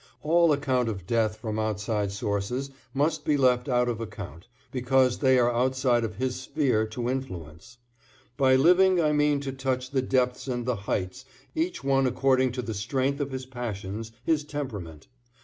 All account of death from outside sources must be left out of account because they are outside of his sphere to influence. By living I mean to touch the depths and the heights, each one according to the strength of his passions, his temperament.